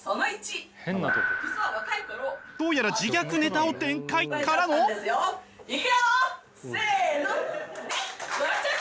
どうやら自虐ネタを展開。からの。